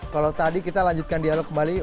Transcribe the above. kalau tadi kita lanjutkan dialog kembali